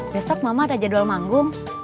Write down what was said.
besok mama ada jadwal manggung